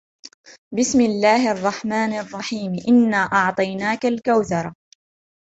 بِسْمِ اللَّهِ الرَّحْمَنِ الرَّحِيمِ إِنَّا أَعْطَيْنَاكَ الْكَوْثَرَ